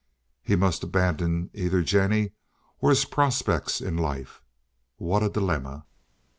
He must abandon either Jennie or his prospects in life. What a dilemma!